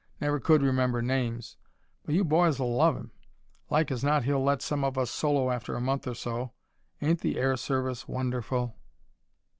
Never could remember names. But you boys'll love him. Like as not he'll let some of us solo after a month or so. Ain't the air service wonderful?"